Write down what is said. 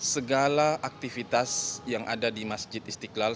segala aktivitas yang ada di masjid istiqlal